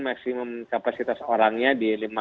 maksimum kapasitas orangnya di